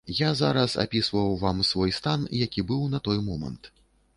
Я зараз апісваў вам свой стан, які быў на той момант.